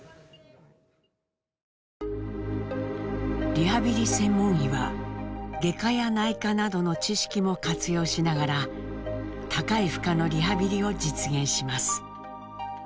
リハビリ専門医は外科や内科などの知識も活用しながら高い負荷のリハビリを実現します。